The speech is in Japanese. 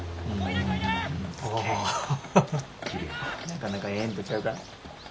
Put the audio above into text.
なかなかええんとちゃうか。